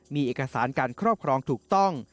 มีเอกสารการครอบครองถูกต้อง